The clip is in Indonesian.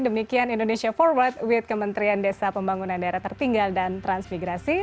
demikian indonesia forward with kementerian desa pembangunan daerah tertinggal dan transmigrasi